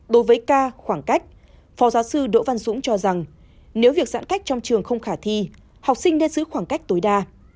đối với ca khoảng cách phó giáo sư đỗ văn dũng cho rằng nếu việc giãn cách trong trường không khả thi học sinh nên giữ khoảng cách tối đa